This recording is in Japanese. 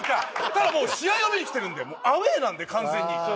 ただもう試合を見に来てるんでアウェーなんで完全に。